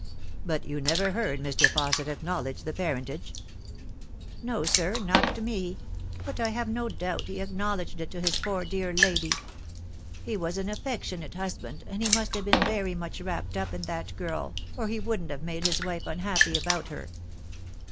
" But you never heard Mr. Fausset acknowledge the parent age?" " No, sir, not to me ; but I have no doubt he acknowledged it to his poor dear lady. He was an affectionate husband, and he must have been very much wrapped up in that girl, or he wouldn't have made his wife unhappy about her."